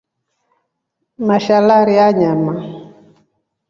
Mashalarii anyama.